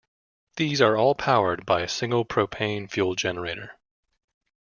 These are all powered by a single propane fueled generator.